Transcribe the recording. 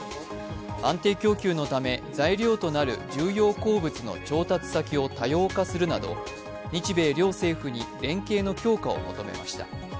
安定供給のため材料となる重要鉱物の調達先を多様化するなど日米両政府に連携の強化を求めました。